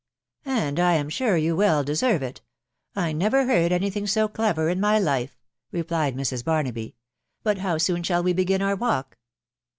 " And Tm sure you well deserve it. I never heard any thing so clever in my life," replied Mrs. Barnaby. " But how soon shall we begin our walk